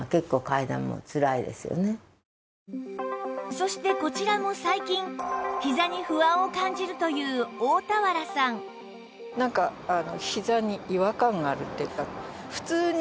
そしてこちらも最近ひざに不安を感じるという大田原さんなんかあの。